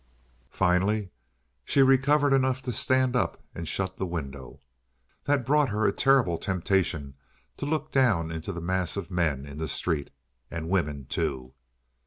Finally, she recovered enough to stand up and shut the window. That brought her a terrible temptation to look down into the mass of men in the street and women, too!